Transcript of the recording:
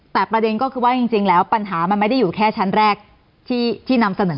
แต่ประเด็นก็คือว่าจริงแล้วปัญหามันไม่ได้อยู่แค่ชั้นแรกที่นำเสนอ